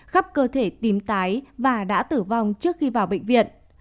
khắp cơ thể tím tái và đã tử vong trước khi vào bệnh viện